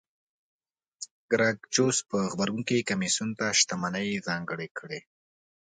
ګراکچوس په غبرګون کې کمېسیون ته شتمنۍ ځانګړې کړې